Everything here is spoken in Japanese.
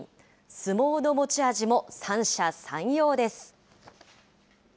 相撲の持ち味も三者三様です。